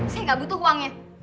saya gak butuh uangnya